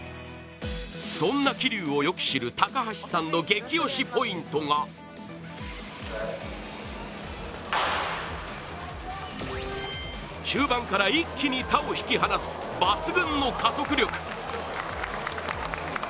そんな桐生をよく知る高橋さんの激推しポイントが中盤から一気に他を引き離す抜群の加速力。